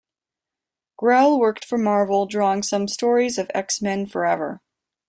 Grell worked for Marvel drawing some stories of "X-Men Forever".